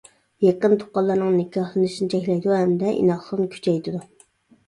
يېقىن تۇغقانلارنىڭ نىكاھلىنىشىنى چەكلەيدۇ ھەمدە ئىناقلىقنى كۈچەيتىدۇ.